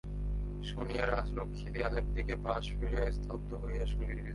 শুনিয়া রাজলক্ষ্মী দেয়ালের দিকে পাশ ফিরিয়া স্তব্ধ হইয়া শুইলেন।